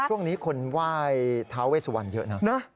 ช่วงนี้คนว่ายท้าวเวชวรเยอะนะ